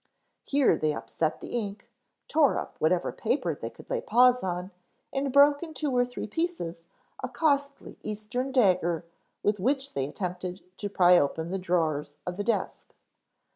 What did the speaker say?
Here they upset the ink, tore up whatever paper they could lay paws on and broke in two or three pieces a costly eastern dagger with which they attempted to pry open the drawers of the desk.